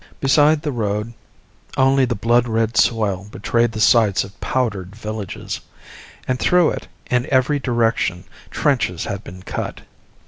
Beside the road only the blood red soil betrayed the sites of powdered villages; and through it, in every direction, trenches had been cut.